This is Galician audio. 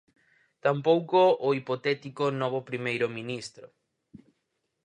Tampouco o hipotético novo primeiro ministro.